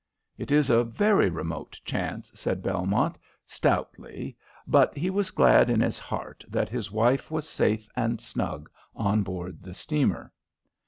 "It is a very remote chance," said Belmont, stoutly, but he was glad in his heart that his wife was safe and snug on board the steamer.